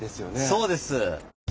そうです。